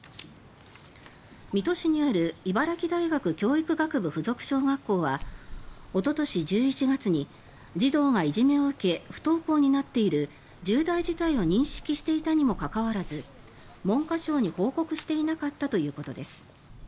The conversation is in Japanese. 水戸市にある茨城大学教育学部附属小学校はおととし１１月に児童がいじめを受け不登校になっている重大事態を認識していたにもかかわらず文科省に報告していなかったということです。